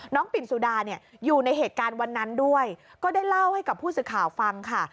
ปิ่นสุดาเนี่ยอยู่ในเหตุการณ์วันนั้นด้วยก็ได้เล่าให้กับผู้สื่อข่าวฟังค่ะ